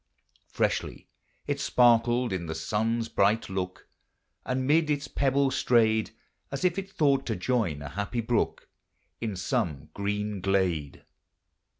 Freshly it sparkled in the sun's bright look, And mid its pebbles strayed, As if it thought to join a happy brook In some green glade.